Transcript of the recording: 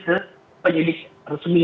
ke penyidik resmi